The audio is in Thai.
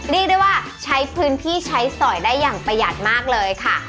เรียกได้ว่าใช้พื้นที่ใช้สอยได้อย่างประหยัดมากเลยค่ะ